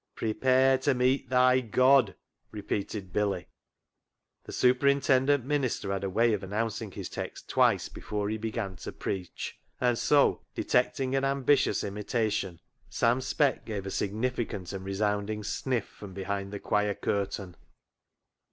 " Prepare to meet thy God," repeated Billy. The superintendent minister had a way of announcing his text twice before he began to preach, and so, detecting an ambitious imita tion, Sam Speck gave a significant and re sounding sniff from behind the choir curtain.